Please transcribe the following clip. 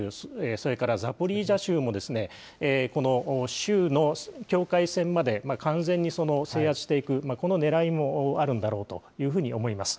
それからザポリージャ州も、この州の境界線まで完全に制圧していく、この狙いもあるんだろうというふうに思います。